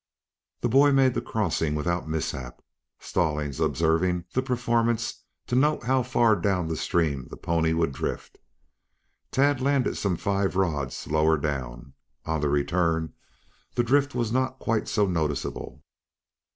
The boy made the crossing without mishap, Stallings observing the performance to note how far down the stream the pony would drift. Tad landed some five rods lower down. On the return, the drift was not quite so noticeable.